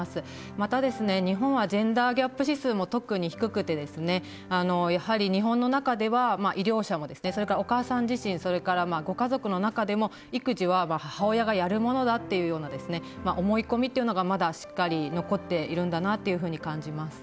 また日本はジェンダーギャップ指数も特に低くてですねやはり日本の中では医療者もそれからお母さん自身それからご家族の中でも育児は母親がやるものだっていうような思い込みというのがまだしっかり残っているんだなというふうに感じます。